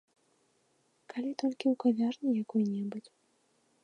Калі толькі ў кавярні якой-небудзь.